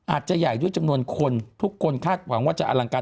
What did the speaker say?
อาจจะใหญ่ด้วยจำนวนคนทุกคนคาดหวังว่าจะอลังการ